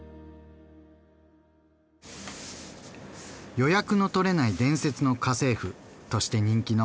「予約のとれない伝説の家政婦」として人気のタサン志麻さん。